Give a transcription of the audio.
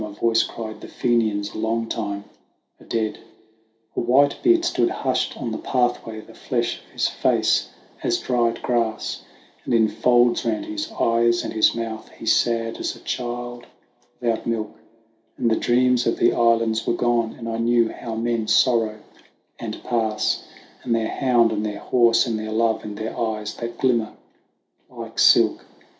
A voice cried, "The Fenians a long time are dead." A whitebeard stood hushed on the pathway, the flesh of his face as dried grass, And in folds round his eyes and his mouth, he sad as a child without milk; THE WANDERINGS OF OISIN 143 And the dreams of the islands were gone, and I knew how men sorrow and pass, And their hound, and their horse, and their love, and their eyes that glimmer like silk.